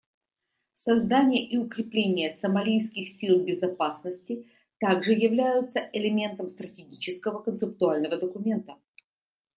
Создание и укрепление сомалийских сил безопасности также являются элементом стратегического концептуального документа.